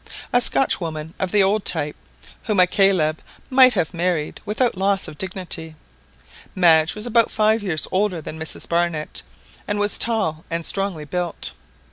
A Scotchwoman of the old type, whom a Caleb might have married without loss of dignity. Madge was about five years older than Mrs Barnett, and was tall and strongly built.